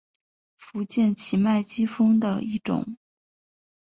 福建畸脉姬蜂的一种。